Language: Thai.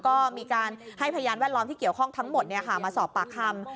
ก็มีการให้พยานแวดล้อมที่เกี่ยวข้องทั้งหมดมาสอบปากคำ